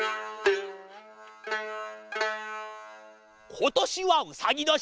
ことしはうさぎどし！